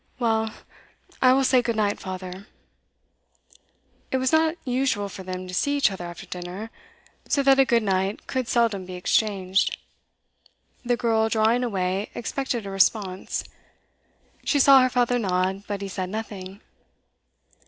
'Well, I will say good night, father.' It was not usual for them to see each other after dinner, so that a good night could seldom be exchanged. The girl, drawing away, expected a response; she saw her father nod, but he said nothing.